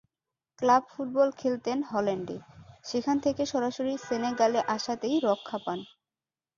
Club football খেলতেন হল্যান্ডে, সেখান থেকে সরাসরি সেনেগালে আসাতেই রক্ষা পান।